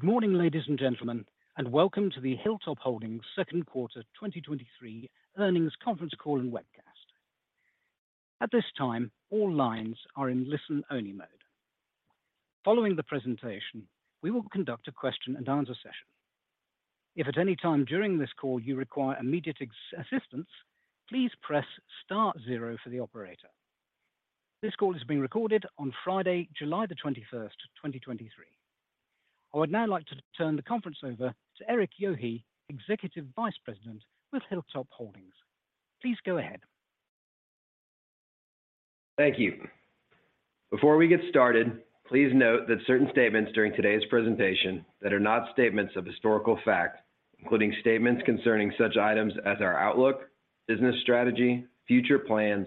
Good morning, ladies and gentlemen, welcome to the Hilltop Holdings Q2 2023 earnings conference call and webcast. At this time, all lines are in listen-only mode. Following the presentation, we will conduct a question-and-answer session. If at any time during this call you require immediate assistance, please press star zero for the operator. This call is being recorded on Friday, July the 21st, 2023. I would now like to turn the conference over to Erik Yohe, Executive Vice President with Hilltop Holdings. Please go ahead. Thank you. Before we get started, please note that certain statements during today's presentation that are not statements of historical fact, including statements concerning such items as our outlook, business strategy, future plans,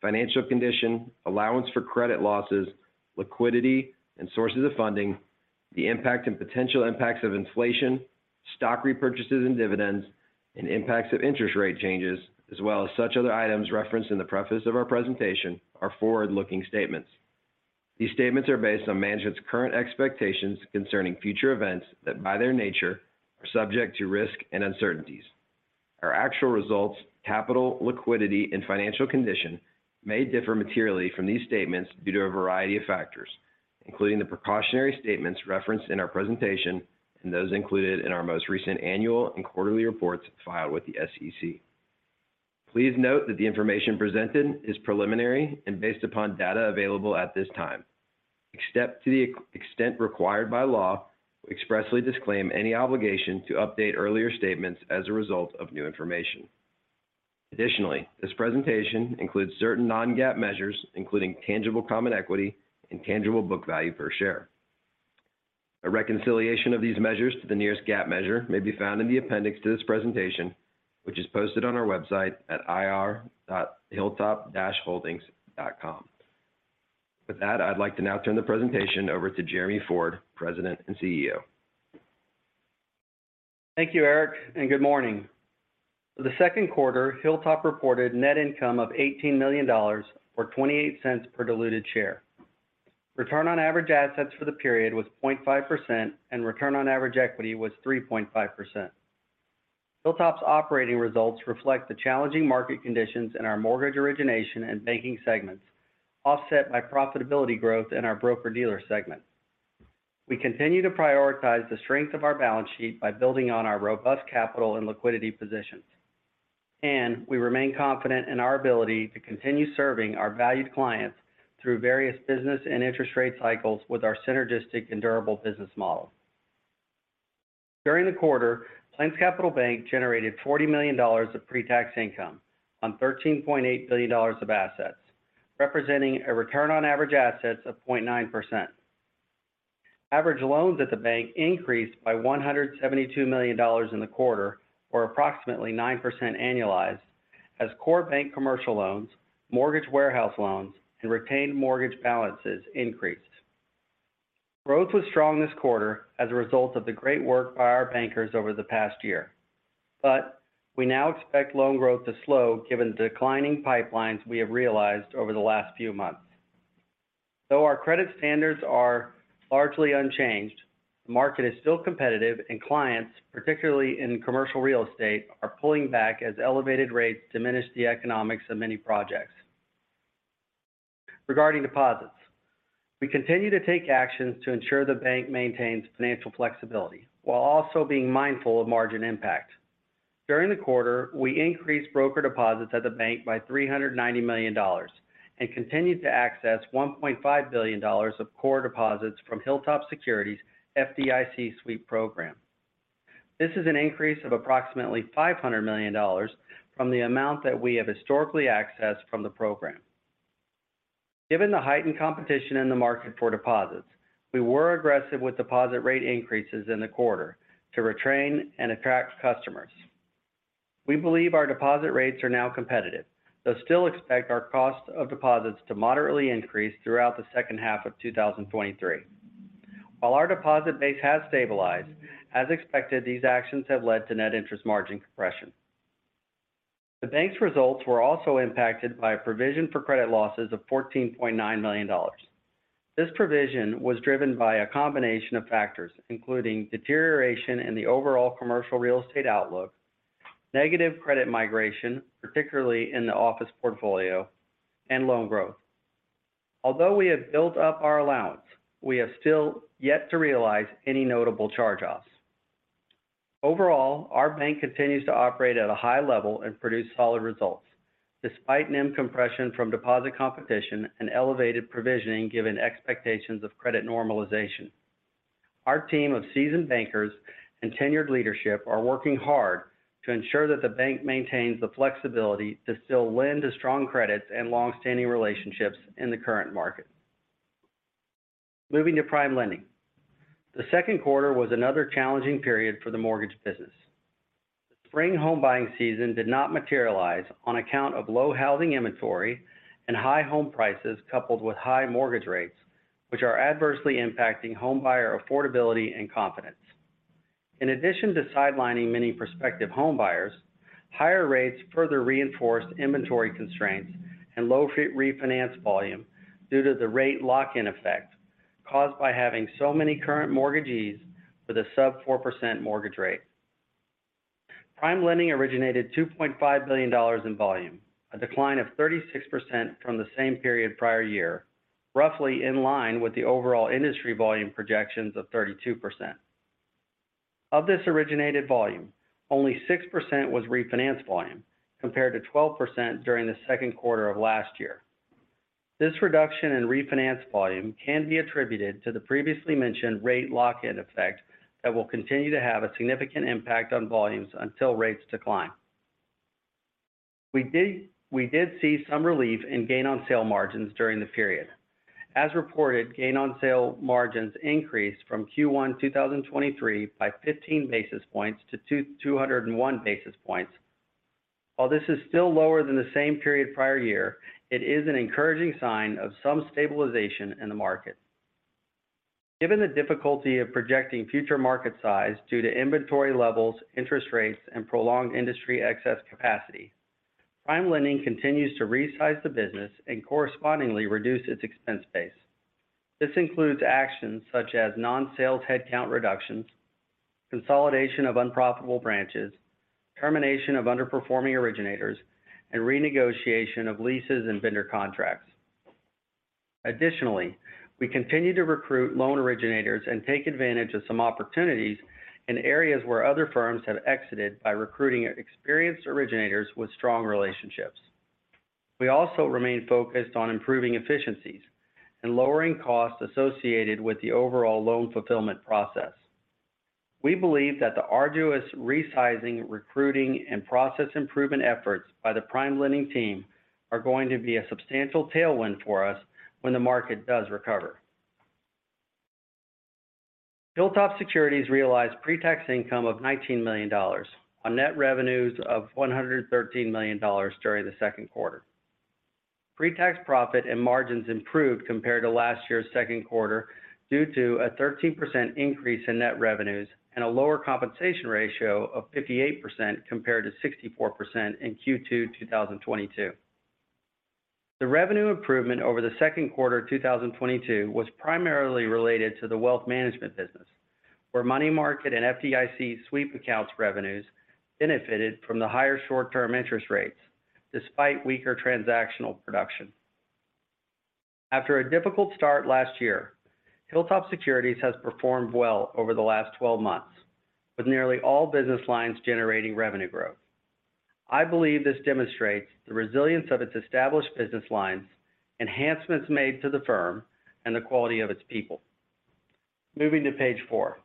financial condition, allowance for credit losses, liquidity, and sources of funding, the impact and potential impacts of inflation, stock repurchases and dividends, and impacts of interest rate changes, as well as such other items referenced in the preface of our presentation are forward-looking statements. These statements are based on management's current expectations concerning future events that, by their nature, are subject to risk and uncertainties. Our actual results, capital, liquidity, and financial condition may differ materially from these statements due to a variety of factors, including the precautionary statements referenced in our presentation and those included in our most recent annual and quarterly reports filed with the SEC. Please note that the information presented is preliminary and based upon data available at this time. Except to the extent required by law, we expressly disclaim any obligation to update earlier statements as a result of new information. Additionally, this presentation includes certain non-GAAP measures, including tangible common equity and tangible book value per share. A reconciliation of these measures to the nearest GAAP measure may be found in the appendix to this presentation, which is posted on our website at ir.hilltop-holdings.com. I'd like to now turn the presentation over to Jeremy Ford, President and CEO. Thank you, Erik, and good morning. For the Q2, Hilltop reported net income of $18 million or 0.28 per diluted share. Return on average assets for the period was 0.5%, and return on average equity was 3.5%. Hilltop's operating results reflect the challenging market conditions in our mortgage origination and banking segments, offset by profitability growth in our broker-dealer segment. We continue to prioritize the strength of our balance sheet by building on our robust capital and liquidity positions, and we remain confident in our ability to continue serving our valued clients through various business and interest rate cycles with our synergistic and durable business model. During the quarter, PlainsCapital Bank generated $40 million of pre-tax income on $13.8 billion of assets, representing a return on average assets of 0.9%. Average loans at the bank increased by $172 million in the quarter, or approximately 9% annualized, as core bank commercial loans, mortgage warehouse loans, and retained mortgage balances increased. Growth was strong this quarter as a result of the great work by our bankers over the past year, but we now expect loan growth to slow, given the declining pipelines we have realized over the last few months. Though our credit standards are largely unchanged, the market is still competitive, and clients, particularly in commercial real estate, are pulling back as elevated rates diminish the economics of many projects. Regarding deposits, we continue to take actions to ensure the bank maintains financial flexibility while also being mindful of margin impact. During the quarter, we increased broker deposits at the bank by $390 million and continued to access $1.5 billion of core deposits from Hilltop Securities' FDIC Sweep program. This is an increase of approximately $500 million from the amount that we have historically accessed from the program. Given the heightened competition in the market for deposits, we were aggressive with deposit rate increases in the quarter to retain and attract customers. We believe our deposit rates are now competitive, though still expect our cost of deposits to moderately increase throughout the second half of 2023. While our deposit base has stabilized, as expected, these actions have led to net interest margin compression. The bank's results were also impacted by a provision for credit losses of $14.9 million. This provision was driven by a combination of factors, including deterioration in the overall commercial real estate outlook, negative credit migration, particularly in the office portfolio, and loan growth. Although we have built up our allowance, we have still yet to realize any notable charge-offs. Our bank continues to operate at a high level and produce solid results, despite NIM compression from deposit competition and elevated provisioning, given expectations of credit normalization. Our team of seasoned bankers and tenured leadership are working hard to ensure that the bank maintains the flexibility to still lend to strong credits and long-standing relationships in the current market. Moving to PrimeLending. The Q2 was another challenging period for the mortgage business. The spring home buying season did not materialize on account of low housing inventory and high home prices, coupled with high mortgage rates, which are adversely impacting homebuyer affordability and confidence. In addition to sidelining many prospective homebuyers, higher rates further reinforced inventory constraints and low rate refinance volume due to the rate lock-in effect caused by having so many current mortgagees with a sub 4% mortgage rate. PrimeLending originated $2.5 billion in volume, a decline of 36% from the same period prior year, roughly in line with the overall industry volume projections of 32%. Of this originated volume, only 6% was refinance volume, compared to 12% during the Q2 of last year. This reduction in refinance volume can be attributed to the previously mentioned rate lock-in effect that will continue to have a significant impact on volumes until rates decline. We did see some relief in gain on sale margins during the period. As reported, gain on sale margins increased from Q1 2023 by 15 basis points to 201 basis points. While this is still lower than the same period prior year, it is an encouraging sign of some stabilization in the market. Given the difficulty of projecting future market size due to inventory levels, interest rates, and prolonged industry excess capacity, PrimeLending continues to resize the business and correspondingly reduce its expense base. This includes actions such as non-sales headcount reductions, consolidation of unprofitable branches, termination of underperforming originators, and renegotiation of leases and vendor contracts. Additionally, we continue to recruit loan originators and take advantage of some opportunities in areas where other firms have exited by recruiting experienced originators with strong relationships. We also remain focused on improving efficiencies and lowering costs associated with the overall loan fulfillment process. We believe that the arduous resizing, recruiting, and process improvement efforts by the PrimeLending team are going to be a substantial tailwind for us when the market does recover. Hilltop Securities realized pretax income of $19 million on net revenues of $113 million during the Q2. Pretax profit and margins improved compared to last year's Q2 due to a 13% increase in net revenues and a lower compensation ratio of 58%, compared to 64% in Q2 2022. The revenue improvement over the Q2 2022 was primarily related to the wealth management business, where money market and FDIC Sweep accounts revenues benefited from the higher short-term interest rates, despite weaker transactional production. After a difficult start last year, Hilltop Securities has performed well over the last 12 months, with nearly all business lines generating revenue growth. I believe this demonstrates the resilience of its established business lines, enhancements made to the firm, and the quality of its people. Moving to page four.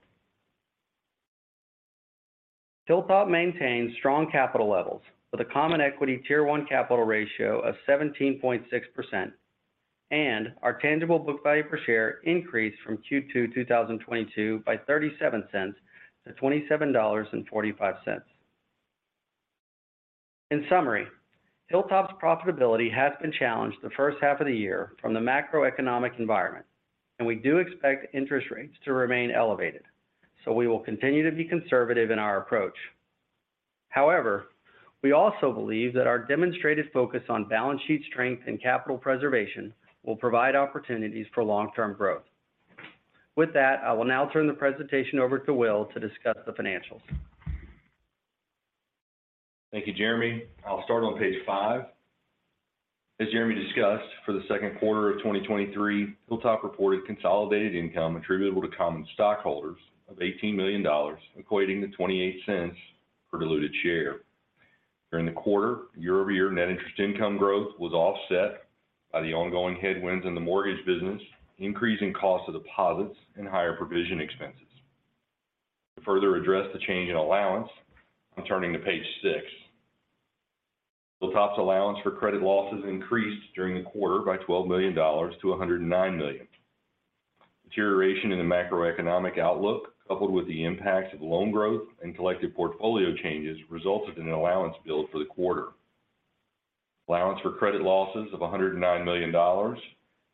Hilltop maintains strong capital levels with a common equity Tier 1 Capital Ratio of 17.6%, and our tangible book value per share increased from Q2 2022 by $0.37 to $27.45. In summary, Hilltop's profitability has been challenged the first half of the year from the macroeconomic environment, and we do expect interest rates to remain elevated, so we will continue to be conservative in our approach. However, we also believe that our demonstrated focus on balance sheet strength and capital preservation will provide opportunities for long-term growth. With that, I will now turn the presentation over to Will to discuss the financials. Thank you, Jeremy. I'll start on page five. As Jeremy discussed, for the Q2 of 2023, Hilltop reported consolidated income attributable to common stockholders of $18 million, equating to $0.28 per diluted share. During the quarter, year-over-year net interest income growth was offset by the ongoing headwinds in the mortgage business, increasing cost of deposits and higher provision expenses. To further address the change in allowance, I'm turning to page six. Hilltop's allowance for credit losses increased during the quarter by $12 million to $109 million. Deterioration in the macroeconomic outlook, coupled with the impacts of loan growth and collective portfolio changes, resulted in an allowance build for the quarter. Allowance for credit losses of $109 million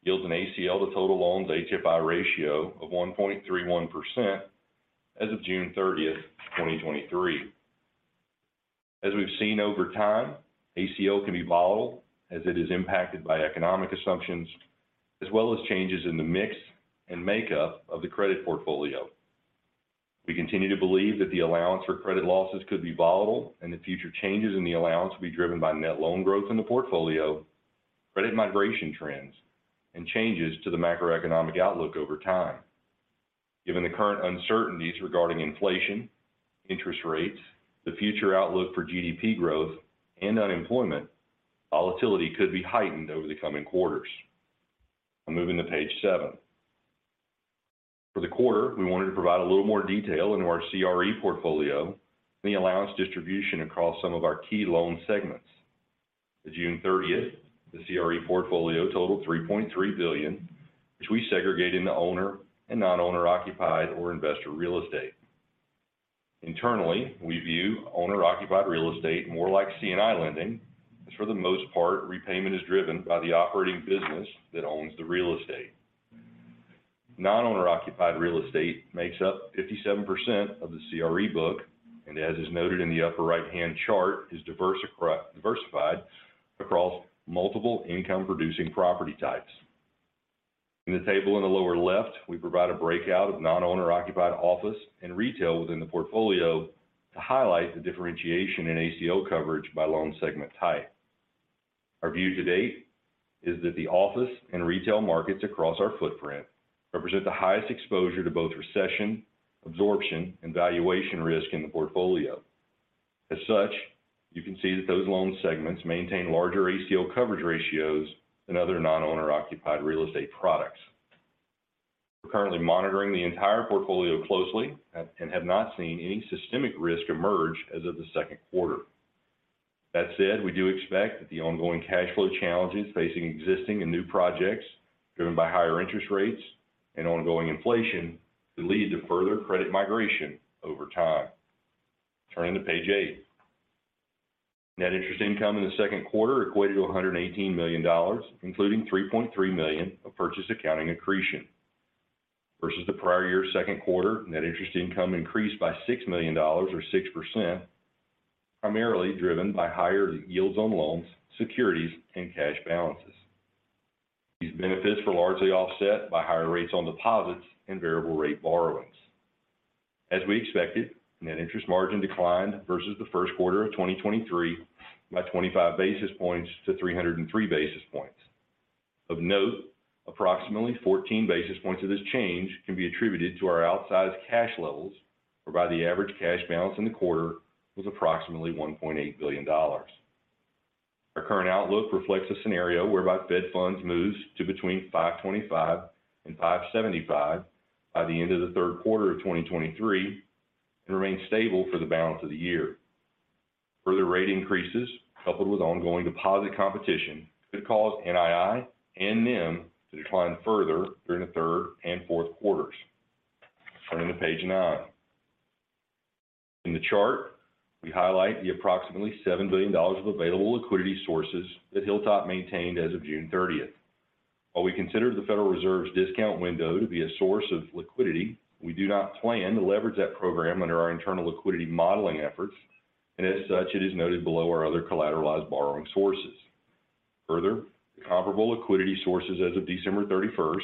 yields an ACL to total loans HFI ratio of 1.31% as of June 30th, 2023. As we've seen over time, ACL can be volatile as it is impacted by economic assumptions, as well as changes in the mix and makeup of the credit portfolio. We continue to believe that the allowance for credit losses could be volatile, and the future changes in the allowance will be driven by net loan growth in the portfolio, credit migration trends, and changes to the macroeconomic outlook over time. Given the current uncertainties regarding inflation, interest rates, the future outlook for GDP growth and unemployment, volatility could be heightened over the coming quarters. I'm moving to page seven. For the quarter, we wanted to provide a little more detail into our CRE portfolio and the allowance distribution across some of our key loan segments. As of June 30th, the CRE portfolio totaled $3.3 billion, which we segregated into owner and non-owner-occupied or investor real estate. Internally, we view owner-occupied real estate more like C&I lending. For the most part, repayment is driven by the operating business that owns the real estate. Non-owner-occupied real estate makes up 57% of the CRE book. As is noted in the upper right-hand chart, is diversified across multiple income-producing property types. In the table in the lower left, we provide a breakout of non-owner-occupied office and retail within the portfolio to highlight the differentiation in ACL coverage by loan segment type. Our view to date is that the office and retail markets across our footprint represent the highest exposure to both recession, absorption, and valuation risk in the portfolio. As such, you can see that those loan segments maintain larger ACL coverage ratios than other non-owner-occupied real estate products. We're currently monitoring the entire portfolio closely and have not seen any systemic risk emerge as of the Q2. That said, we do expect that the ongoing cash flow challenges facing existing and new projects, driven by higher interest rates and ongoing inflation, to lead to further credit migration over time. Turning to page eight. Net interest income in the Q2 equated to $118 million, including $3.3 million of purchase accounting accretion. Versus the prior year's Q2, net interest income increased by $6 million or 6%, primarily driven by higher yields on loans, securities, and cash balances. These benefits were largely offset by higher rates on deposits and variable rate borrowings. As we expected, net interest margin declined versus the Q1 of 2023 by 25 basis points to 303 basis points. Of note, approximately 14 basis points of this change can be attributed to our outsized cash levels, whereby the average cash balance in the quarter was approximately $1.8 billion. Our current outlook reflects a scenario whereby Fed Funds moves to between 5.25% and 5.75% by the end of the Q3 of 2023 and remains stable for the balance of the year. Further rate increases, coupled with ongoing deposit competition, could cause NII and NIM to decline further during the Q3 and Q4. Turning to page nine. In the chart, we highlight the approximately $7 billion of available liquidity sources that Hilltop maintained as of June 30th. While we consider the Federal Reserve's discount window to be a source of liquidity, we do not plan to leverage that program under our internal liquidity modeling efforts, as such, it is noted below our other collateralized borrowing sources. Further, comparable liquidity sources as of December 31st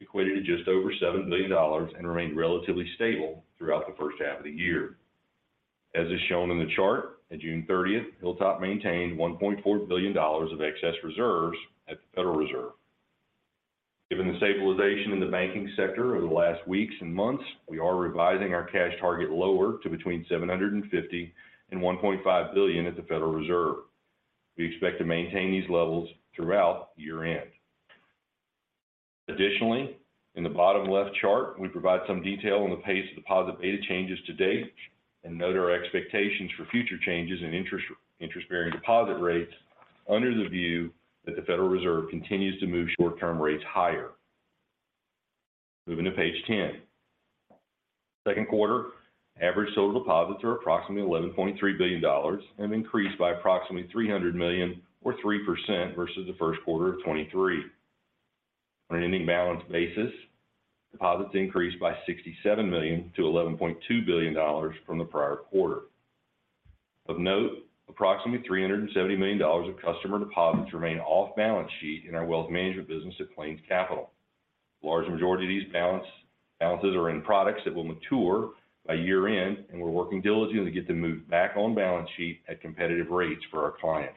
equated to just over $7 billion and remained relatively stable throughout the first half of the year. As is shown in the chart, at June 30th, Hilltop maintained $1.4 billion of excess reserves at the Federal Reserve. Given the stabilization in the banking sector over the last weeks and months, we are revising our cash target lower to between $750 million and $1.5 billion at the Federal Reserve. We expect to maintain these levels throughout year-end. Additionally, in the bottom left chart, we provide some detail on the pace of deposit beta changes to date and note our expectations for future changes in interest-bearing deposit rates under the view that the Federal Reserve continues to move short-term rates higher. Moving to page 10. Q2, average total deposits are approximately $11.3 billion and increased by approximately $300 million or 3% versus the Q1 of 2023. On an ending balance basis, deposits increased by $67 million to $11.2 billion from the prior quarter. Of note, approximately $370 million of customer deposits remain off balance sheet in our wealth management business at PlainsCapital. Large majority of these balances are in products that will mature by year-end, we're working diligently to get them moved back on balance sheet at competitive rates for our clients.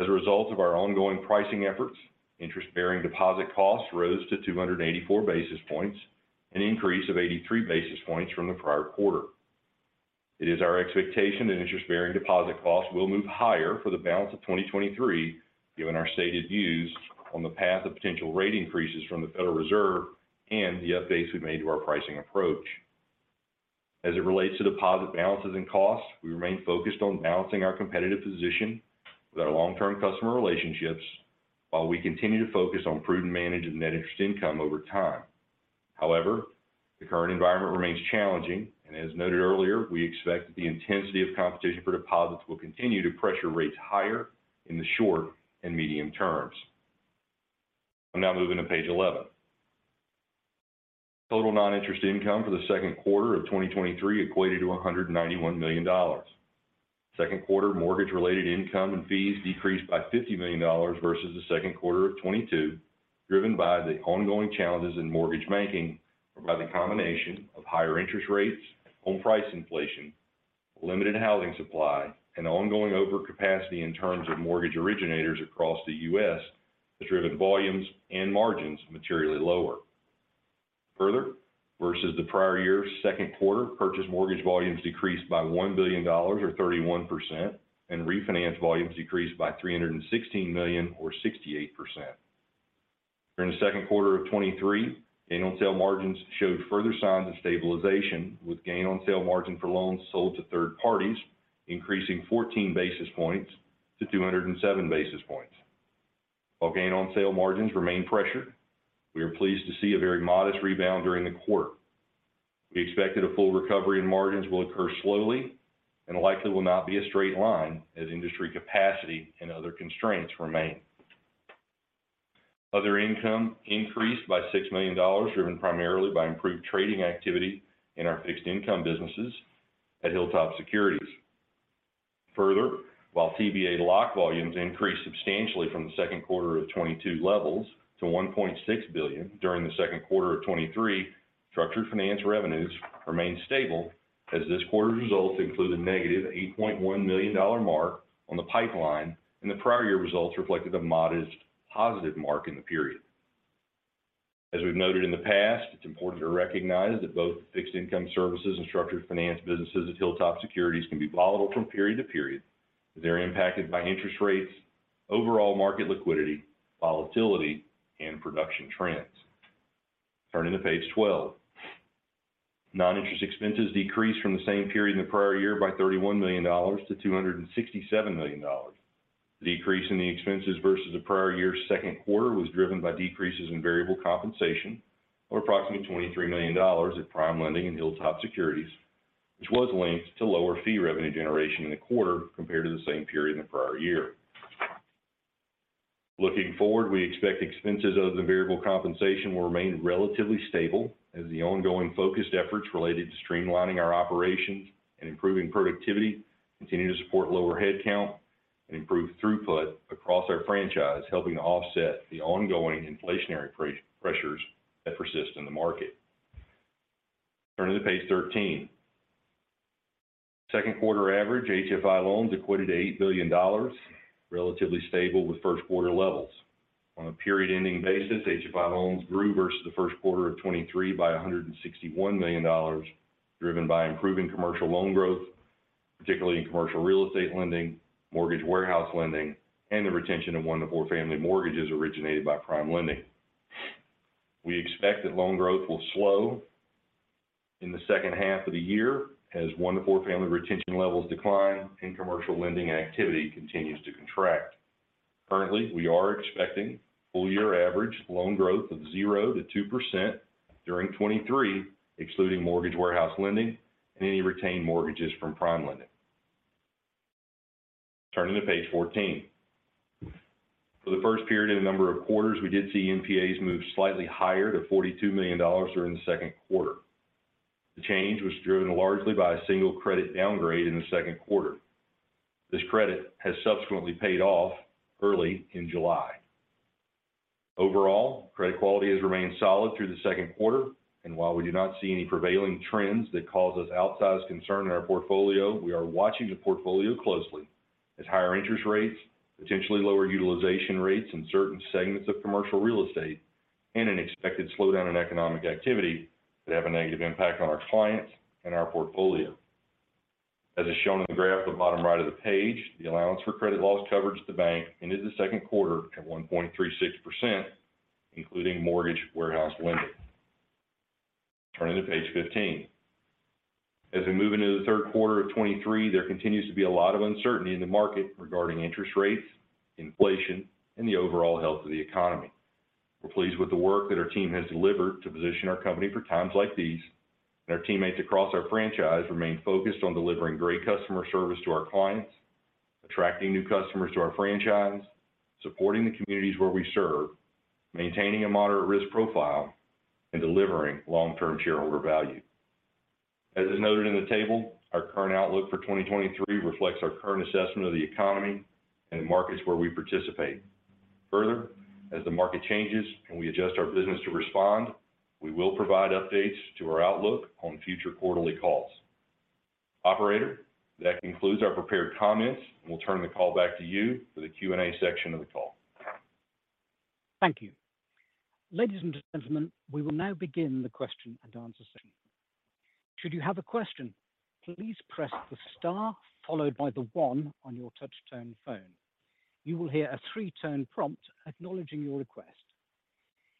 As a result of our ongoing pricing efforts, interest-bearing deposit costs rose to 284 basis points, an increase of 83 basis points from the prior quarter. It is our expectation that interest-bearing deposit costs will move higher for the balance of 2023, given our stated views on the path of potential rate increases from the Federal Reserve and the updates we've made to our pricing approach. As it relates to deposit balances and costs, we remain focused on balancing our competitive position with our long-term customer relationships, while we continue to focus on prudent management of net interest income over time. However, the current environment remains challenging, and as noted earlier, we expect that the intensity of competition for deposits will continue to pressure rates higher in the short and medium terms. I'm now moving to page 11. Total non-interest income for the Q2 of 2023 equated to $191 million. Q2 mortgage-related income and fees decreased by $50 million versus the Q2 of 2022, driven by the ongoing challenges in mortgage banking by the combination of higher interest rates, home price inflation, limited housing supply, and ongoing overcapacity in terms of mortgage originators across the U.S., has driven volumes and margins materially lower. Further, versus the prior year's Q2, purchase mortgage volumes decreased by $1 billion or 31%, and refinance volumes decreased by $316 million or 68%. During the Q2 of 2023, gain on sale margins showed further signs of stabilization, with gain on sale margin for loans sold to third parties increasing 14 basis points to 207 basis points. While gain on sale margins remain pressured, we are pleased to see a very modest rebound during the quarter. We expected a full recovery in margins will occur slowly and likely will not be a straight line as industry capacity and other constraints remain. Other income increased by $6 million, driven primarily by improved trading activity in our fixed income businesses at Hilltop Securities. Further, while TBA lock volumes increased substantially from the Q2 of 2022 levels to $1.6 billion during the Q2 of 2023, structured finance revenues remained stable, as this quarter's results include a negative $8.1 million mark on the pipeline, and the prior year results reflected a modest positive mark in the period. As we've noted in the past, it's important to recognize that both fixed income services and structured finance businesses at Hilltop Securities can be volatile from period to period. They're impacted by interest rates, overall market liquidity, volatility, and production trends. Turning to page 12. Non-interest expenses decreased from the same period in the prior year by $31 million to $267 million. The decrease in the expenses versus the prior year's Q2 was driven by decreases in variable compensation of approximately $23 million at PrimeLending and Hilltop Securities, which was linked to lower fee revenue generation in the quarter compared to the same period in the prior year. Looking forward, we expect expenses of the variable compensation will remain relatively stable as the ongoing focused efforts related to streamlining our operations and improving productivity continue to support lower headcount and improve throughput across our franchise, helping to offset the ongoing inflationary pressures that persist in the market. Turning to page 13. Q2 average HFI loans acquitted $8 billion, relatively stable with Q1 levels. On a period-ending basis, HFI loans grew versus the Q1 of 2023 by $161 million, driven by improving commercial loan growth, particularly in commercial real estate lending, mortgage warehouse lending, and the retention of one to four family mortgages originated by PrimeLending. We expect that loan growth will slow in the second half of the year as one to four family retention levels decline, and commercial lending activity continues to contract. Currently, we are expecting full year average loan growth of 0% to 2% during 2023, excluding mortgage warehouse lending and any retained mortgages from PrimeLending. Turning to page 14. For the first period in a number of quarters, we did see NPAs move slightly higher to $42 million during the Q2. The change was driven largely by a single credit downgrade in the Q2. This credit has subsequently paid off early in July. Overall, credit quality has remained solid through the Q2, and while we do not see any prevailing trends that cause us outsized concern in our portfolio, we are watching the portfolio closely as higher interest rates, potentially lower utilization rates in certain segments of commercial real estate, and an expected slowdown in economic activity that have a negative impact on our clients and our portfolio. As is shown in the graph at the bottom right of the page, the allowance for credit losses coverage at the bank ended the Q2 at 1.36%, including mortgage warehouse lending. Turning to page 15. As we move into the Q3 of 2023, there continues to be a lot of uncertainty in the market regarding interest rates, inflation, and the overall health of the economy. We're pleased with the work that our team has delivered to position our company for times like these, and our teammates across our franchise remain focused on delivering great customer service to our clients, attracting new customers to our franchise, supporting the communities where we serve, maintaining a moderate risk profile, and delivering long-term shareholder value. As is noted in the table, our current outlook for 2023 reflects our current assessment of the economy and the markets where we participate. Further, as the market changes and we adjust our business to respond, we will provide updates to our outlook on future quarterly calls. Operator, that concludes our prepared comments. We'll turn the call back to you for the Q&A section of the call. Thank you. Ladies and gentlemen, we will now begin the question and answer session. Should you have a question, please press the star followed by the one on your touch tone phone. You will hear a three-tone prompt acknowledging your request.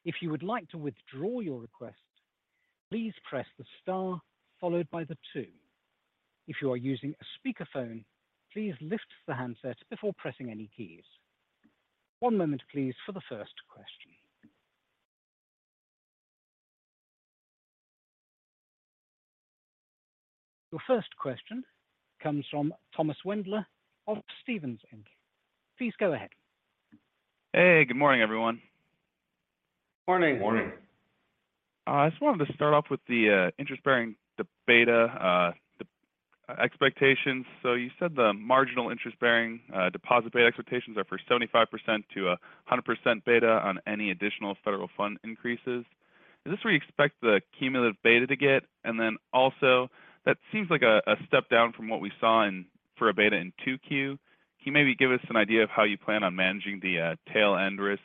If you would like to withdraw your request, please press the star followed by the two. If you are using a speakerphone, please lift the handset before pressing any keys. One moment, please, for the first question. Your first question comes from Thomas Wendler of Stephens Inc. Please go ahead. Hey, good morning, everyone. Morning. Morning. I just wanted to start off with the interest-bearing, the beta, the expectations. You said the marginal interest-bearing deposit rate expectations are for 75% to 100% beta on any additional Fed Funds increases. Is this where you expect the cumulative beta to get? That seems like a step down from what we saw for a beta in Q2. Can you maybe give us an idea of how you plan on managing the tail end risk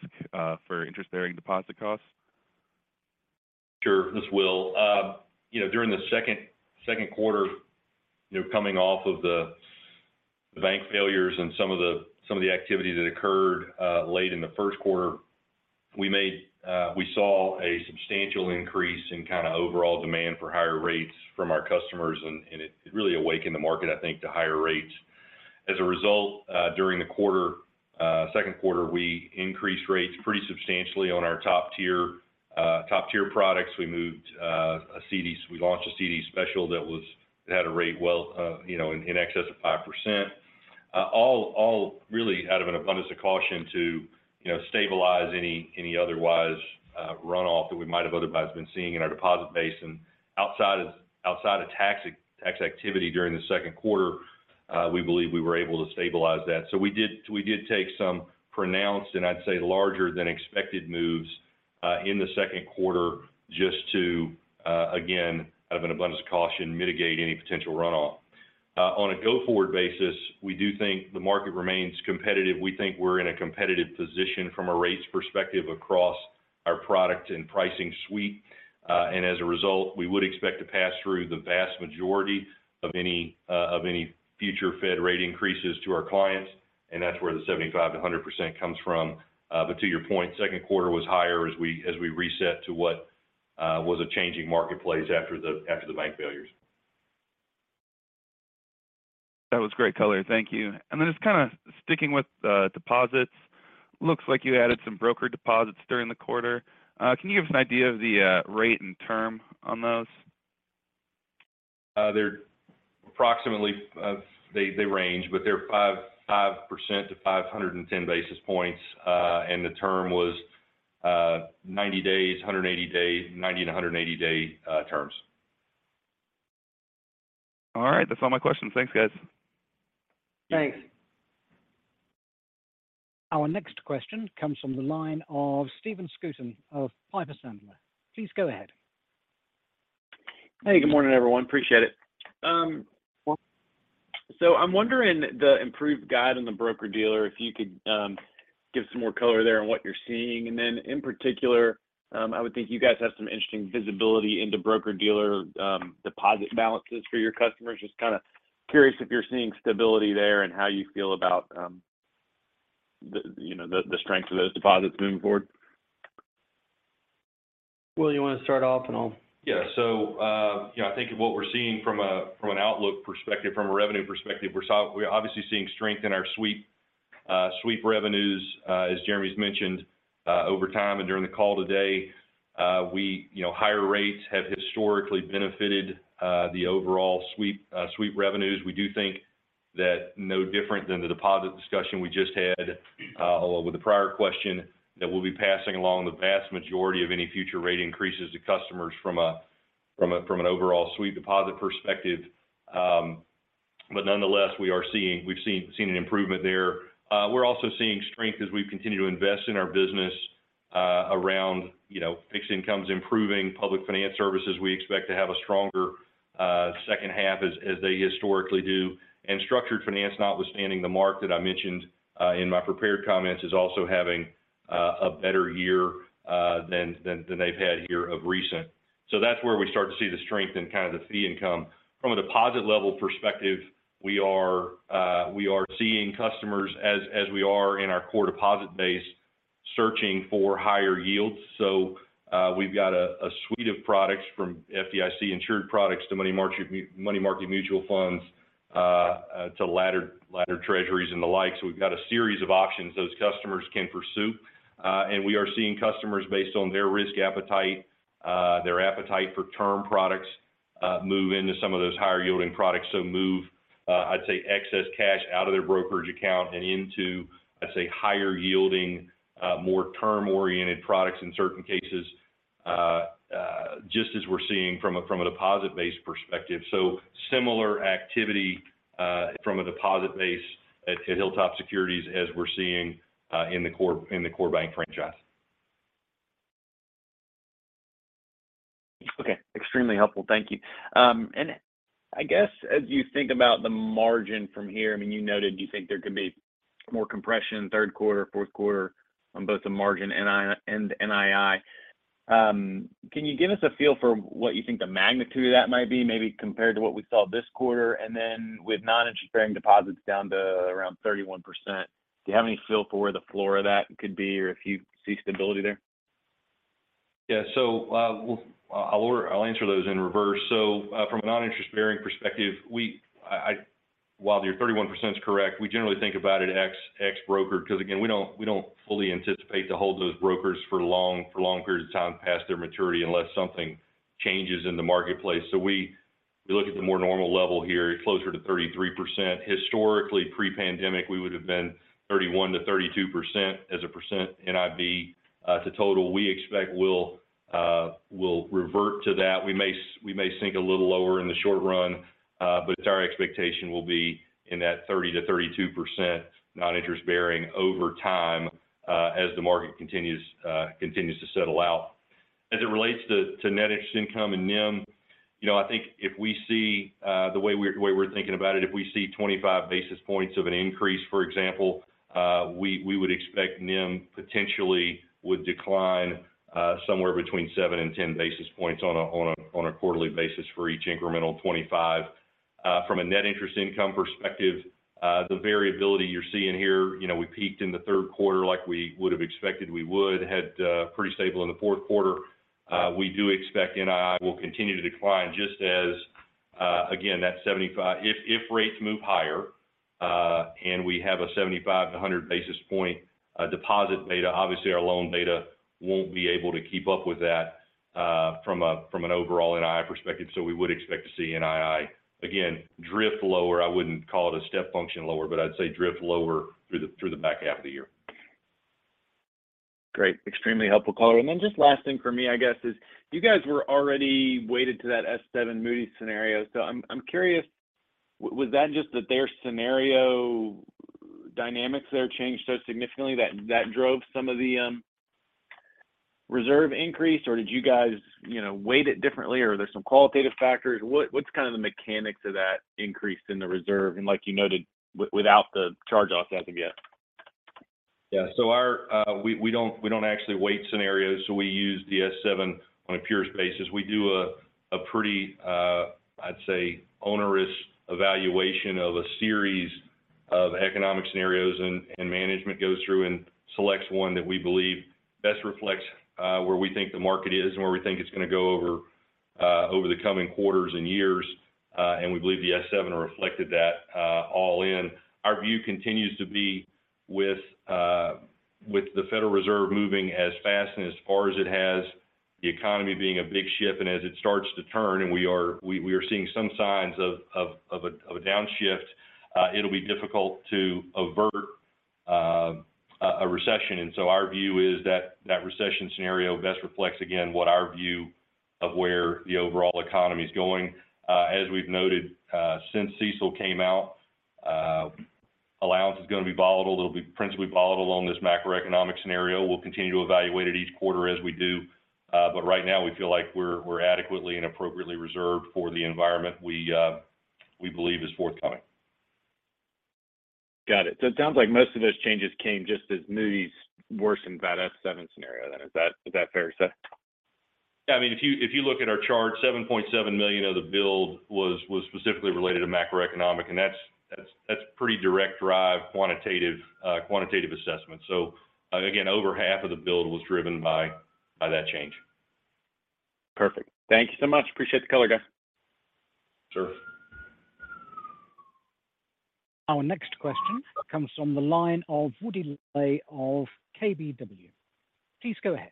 for interest-bearing deposit costs? Sure. This is Will. You know, during the Q2, you know, coming off of the bank failures and some of the activity that occurred late in the Q1, we saw a substantial increase in kind of overall demand for higher rates from our customers, and it really awakened the market, I think, to higher rates. As a result, during the quarter, Q2, we increased rates pretty substantially on our top-tier products. We launched a CD special that had a rate well, you know, in excess of 5%. All really out of an abundance of caution to, you know, stabilize any otherwise runoff that we might have otherwise been seeing in our deposit base. Outside of tax activity during the Q2, we believe we were able to stabilize that. We did take some pronounced, and I'd say larger than expected, moves in the Q2 just to again, out of an abundance of caution, mitigate any potential runoff. On a go-forward basis, we do think the market remains competitive. We think we're in a competitive position from a rates perspective across our product and pricing suite. As a result, we would expect to pass through the vast majority of any future Fed rate increases to our clients, and that's where the 75% to 100% comes from. To your point, Q2 was higher as we reset to what was a changing marketplace after the bank failures. That was great color. Thank you. Just kind of sticking with deposits, looks like you added some broker deposits during the quarter. Can you give us an idea of the rate and term on those? They're approximately, they range, but they're 5.5% to 510 basis points. The term was 90 to 180 day terms. All right. That's all my questions. Thanks, guys. Thanks. Our next question comes from the line of Stephen Scouten of Piper Sandler. Please go ahead. Hey, good morning, everyone. Appreciate it. I'm wondering, the improved guide on the broker-dealer, if you could give some more color there on what you're seeing? In particular, I would think you guys have some interesting visibility into broker-dealer deposit balances for your customers. Just kind of curious if you're seeing stability there and how you feel about the, you know, the strength of those deposits moving forward? Will, you want to start off. Yeah. You know, I think of what we're seeing from an outlook perspective, from a revenue perspective, we're obviously seeing strength in our sweep revenues, as Jeremy's mentioned, over time and during the call today. We, you know, higher rates have historically benefited the overall sweep revenues. We do think that no different than the deposit discussion we just had, with the prior question, that we'll be passing along the vast majority of any future rate increases to customers from an overall sweep deposit perspective. Nonetheless, we've seen an improvement there. We're also seeing strength as we continue to invest in our business, around, you know, fixed incomes, improving public finance services. We expect to have a stronger, second half as they historically do. Structured finance, notwithstanding the mark that I mentioned, in my prepared comments, is also having a better year, than they've had here of recent. That's where we start to see the strength and kind of the fee income. From a deposit level perspective, we are seeing customers as we are in our core deposit base, searching for higher yields. We've got a suite of products from FDIC-insured products to money market mutual funds, to ladder treasuries and the like. We've got a series of options those customers can pursue. And we are seeing customers based on their risk appetite, their appetite for term products, move into some of those higher-yielding products. Move, I'd say, excess cash out of their brokerage account and into, I'd say, higher-yielding, more term-oriented products in certain cases, just as we're seeing from a deposit-based perspective. Similar activity from a deposit base at Hilltop Securities as we're seeing in the core bank franchise. Okay. Extremely helpful. Thank you. I guess as you think about the margin from here, I mean, you noted you think there could be more compression in Q3, Q4 on both the margin and NII. Can you give us a feel for what you think the magnitude of that might be, maybe compared to what we saw this quarter? Then with non-interest-bearing deposits down to around 31%, do you have any feel for where the floor of that could be, or if you see stability there? Well, I'll answer those in reverse. From a non-interest-bearing perspective, while your 31% is correct, we generally think about it ex broker, because again, we don't fully anticipate to hold those brokers for long periods of time past their maturity unless something changes in the marketplace. We look at the more normal level here, it's closer to 33%. Historically, pre-pandemic, we would have been 31%-32% as a percent NIB. To total, we expect we'll revert to that. We may sink a little lower in the short run, but our expectation will be in that 30%-32% non-interest bearing over time, as the market continues to settle out. As it relates to net interest income and NIM, you know, I think if we see, the way we're thinking about it, if we see 25 basis points of an increase, for example, we would expect NIM potentially would decline somewhere between seven and 10 basis points on a quarterly basis for each incremental 25. From a net interest income perspective, the variability you're seeing here, you know, we peaked in the Q3 like we would have expected we would. Had, pretty stable in the Q4. We do expect NII will continue to decline just as again, if rates move higher, and we have a 75 to 100 basis point deposit beta, obviously our loan beta won't be able to keep up with that from an overall NII perspective. We would expect to see NII, again, drift lower. I wouldn't call it a step function lower, but I'd say drift lower through the, through the back half of the year. Great. Extremely helpful color. Then just last thing for me, I guess, is you guys were already weighted to that S7 Moody's scenario. I'm curious, was that just that their scenario dynamics there changed so significantly that that drove some of the reserve increase? Did you guys, you know, weight it differently, or are there some qualitative factors? What's kind of the mechanics of that increase in the reserve? Like you noted, without the charge-offs as of yet. We don't actually weight scenarios, so we use the S7 on a pure basis. We do a pretty, I'd say, onerous evaluation of a series of economic scenarios, and management goes through and selects one that we believe best reflects where we think the market is and where we think it's going to go over the coming quarters and years. We believe the S7 reflected that all in. Our view continues to be with the Federal Reserve moving as fast and as far as it has, the economy being a big ship, and as it starts to turn, and we are seeing some signs of a downshift, it'll be difficult to avert a recession. Our view is that that recession scenario best reflects, again, what our view of where the overall economy is going. As we've noted, since CECL came out, allowance is going to be volatile. It'll be principally volatile on this macroeconomic scenario. We'll continue to evaluate it each quarter as we do, but right now we feel like we're adequately and appropriately reserved for the environment we believe is forthcoming. Got it. It sounds like most of those changes came just as Moody's worsened that S7 scenario then. Is that a fair assessment? Yeah, I mean, if you look at our chart, $7.7 million of the build was specifically related to macroeconomic, and that's pretty direct drive, quantitative assessment. Again, over half of the build was driven by that change. Perfect. Thank you so much. Appreciate the color, guys. Sure. Our next question comes from the line of Woody Lay of KBW. Please go ahead.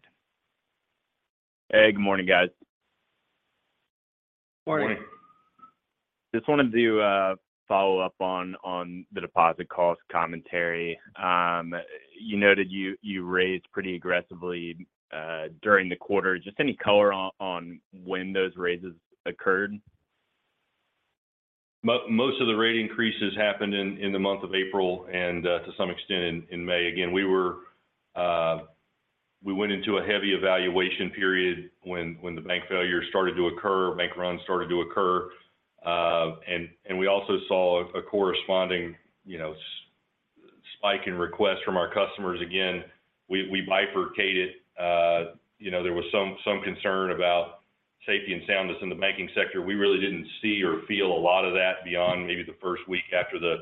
Hey, good morning, guys. Morning. Morning. Just wanted to follow up on the deposit cost commentary. You noted you raised pretty aggressively during the quarter. Just any color on when those raises occurred? Most of the rate increases happened in the month of April and to some extent in May. Again, we went into a heavy evaluation period when the bank failure started to occur, bank runs started to occur, and we also saw a corresponding, you know, spike in requests from our customers. Again, we bifurcated. You know, there was some concern about safety and soundness in the banking sector. We really didn't see or feel a lot of that beyond maybe the first week after the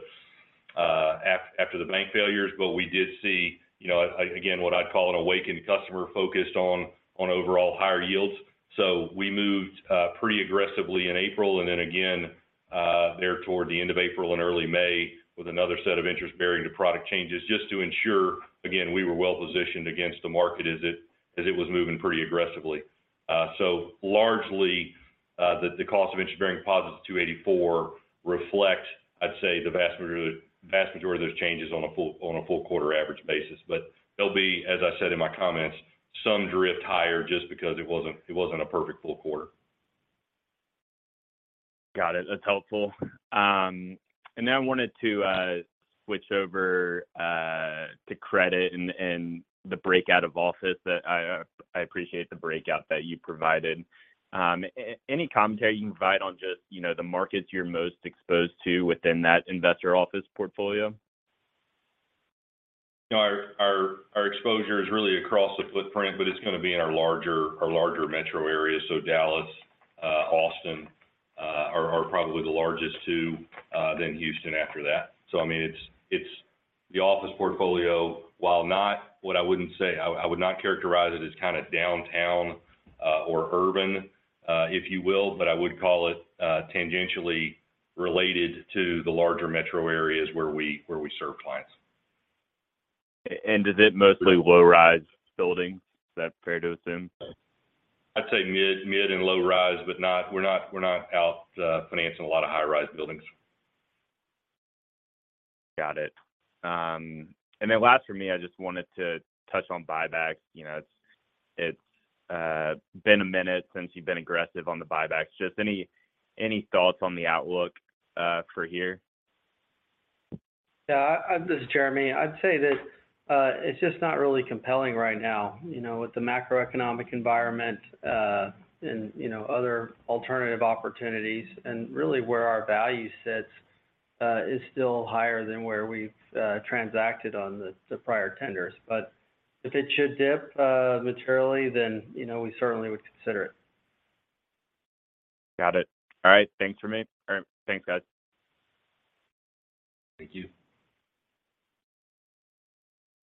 bank failures. We did see, you know, again, what I'd call an awakened customer focused on overall higher yields. We moved pretty aggressively in April, and then again, there toward the end of April and early May, with another set of interest-bearing to product changes, just to ensure, again, we were well positioned against the market as it was moving pretty aggressively. Largely, the cost of interest-bearing deposits at 284 reflect, I'd say, the vast majority of those changes on a full quarter average basis. There'll be, as I said in my comments, some drift higher just because it wasn't a perfect full quarter. Got it. That's helpful. I wanted to switch over to credit and the breakout of office that I appreciate the breakout that you provided. Any commentary you can provide on just, you know, the markets you're most exposed to within that investor office portfolio? Our exposure is really across the footprint, but it's going to be in our larger metro areas. Dallas, Austin, are probably the largest two, then Houston after that. I mean, it's the office portfolio, while not I would not characterize it as kind of downtown, or urban, if you will, but I would call it tangentially related to the larger metro areas where we serve clients. Is it mostly low-rise buildings, is that fair to assume? I'd say mid and low-rise, but not, we're not out, financing a lot of high-rise buildings. Got it. Last for me, I just wanted to touch on buybacks. You know, it's been a minute since you've been aggressive on the buybacks. Just any thoughts on the outlook for here? Yeah, this is Jeremy. I'd say that it's just not really compelling right now. You know, with the macroeconomic environment, and, you know, other alternative opportunities and really where our value sits, is still higher than where we've transacted on the prior tenders. If it should dip materially, then, you know, we certainly would consider it. Got it. All right. Thanks for me. All right. Thanks, guys. Thank you.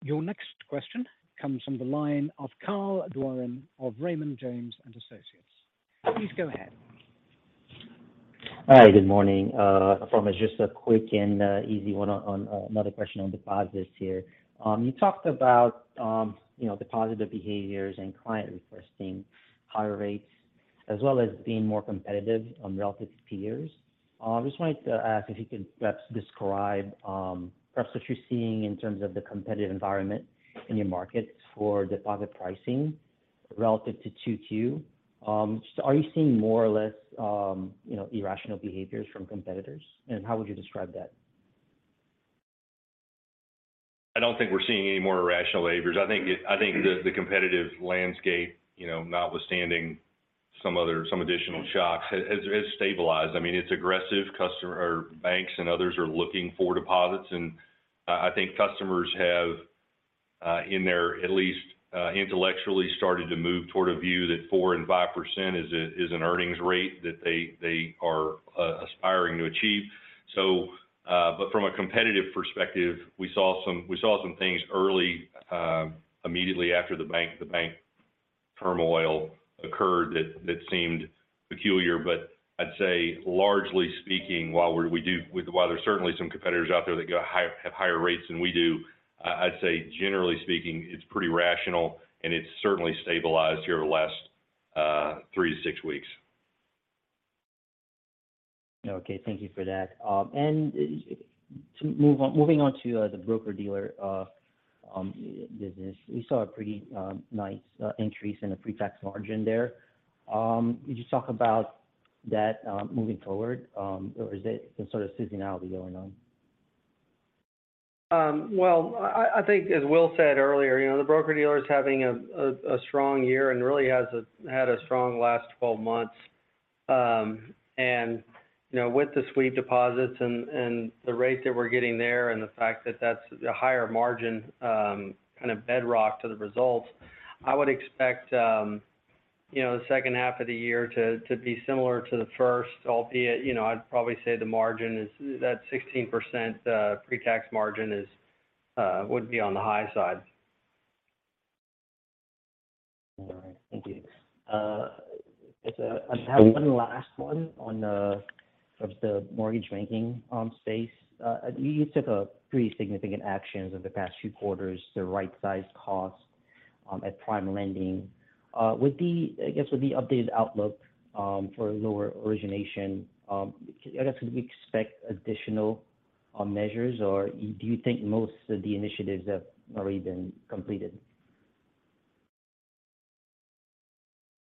Your next question comes from the line of Carl Gatenio of Raymond James & Associates. Please go ahead. Hi, good morning, Just a quick and easy one on another question on deposits here. You talked about, you know, deposit of behaviors and client requesting higher rates, as well as being more competitive on relative peers. I just wanted to ask if you could perhaps describe, perhaps what you're seeing in terms of the competitive environment in your markets for deposit pricing relative to Q2. Are you seeing more or less, you know, irrational behaviors from competitors? How would you describe that? I don't think we're seeing any more irrational behaviors. I think the competitive landscape, you know, notwithstanding some additional shocks, has stabilized. I mean, it's aggressive customer or banks and others are looking for deposits, and I think customers have in their at least intellectually started to move toward a view that 4% and 5% is an earnings rate that they are aspiring to achieve. From a competitive perspective, we saw some things early immediately after the bank turmoil occurred that seemed peculiar. I'd say, largely speaking, while we do while there's certainly some competitors out there that go higher, have higher rates than we do, I'd say generally speaking, it's pretty rational and it's certainly stabilized here the last three to six weeks. Okay, thank you for that. To moving on to the broker-dealer business. We saw a pretty nice increase in the pretax margin there. Could you just talk about that moving forward, or is it some sort of seasonality going on? Well, I think as Will said earlier, you know, the broker-dealer is having a strong year and really had a strong last 12 months. You know, with the sweep deposits and the rate that we're getting there and the fact that that's a higher margin, kind of bedrock to the results, I would expect, you know, the second half of the year to be similar to the first, albeit, you know, I'd probably say the margin is that 16% pretax margin would be on the high side. All right. Thank you. So-I have one last one on, of the mortgage banking space. You took a pretty significant actions over the past few quarters to rightsize costs at PrimeLending. With the, I guess, with the updated outlook for lower origination, I guess, would we expect additional measures, or do you think most of the initiatives have already been completed?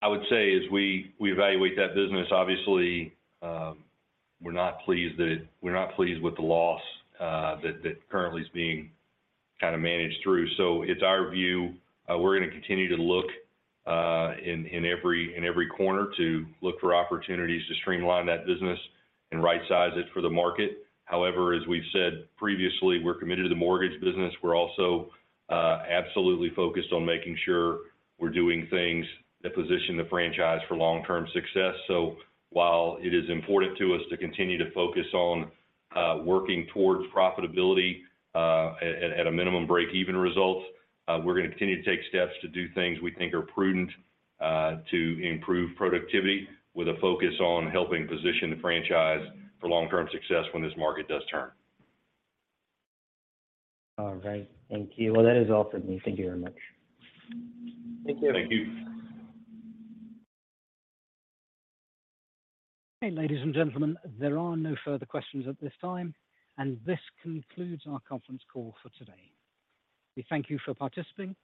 I would say as we evaluate that business, obviously, we're not pleased with the loss that currently is being kind of managed through. It's our view, we're going to continue to look in every corner to look for opportunities to streamline that business and rightsize it for the market. As we've said previously, we're committed to the mortgage business. We're also absolutely focused on making sure we're doing things that position the franchise for long-term success. While it is important to us to continue to focus on, working towards profitability, at, at a minimum break-even results, we're going to continue to take steps to do things we think are prudent, to improve productivity with a focus on helping position the franchise for long-term success when this market does turn. Thank you. That is all for me. Thank you very much. Thank you. Thank you. Hey, ladies and gentlemen, there are no further questions at this time. This concludes our conference call for today. We thank you for participating.